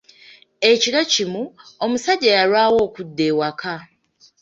Ekiro kimu, omusajja yalwawo okudda ewaka.